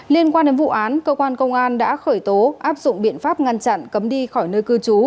liên quan đến vụ án cơ quan công an đã khởi tố áp dụng biện pháp ngăn chặn cấm đi khỏi nơi cư trú